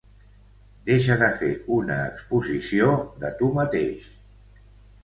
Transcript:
Deixa de fer una exposició de tu mateix!